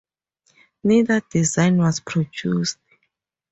Neither design was produced.